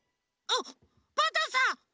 あっパンタンさん！？